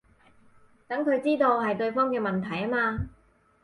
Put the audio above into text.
等佢知道係對方嘅問題吖嘛